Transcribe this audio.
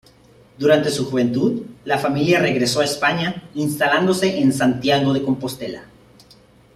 Durante su juventud, la familia regresó a España, instalándose en Santiago de Compostela.